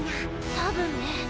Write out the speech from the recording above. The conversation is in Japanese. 多分ね。